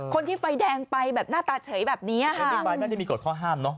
ไฟแดงไปแบบหน้าตาเฉยแบบนี้ไปไม่ได้มีกฎข้อห้ามเนอะ